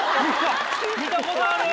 見たことある。